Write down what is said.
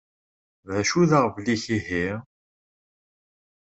D acu d aɣbel-ik ihi?